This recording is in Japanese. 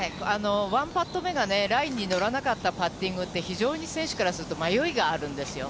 １パット目がラインに乗らなかったパッティングって、非常に選手からすると迷いがあるんですよ。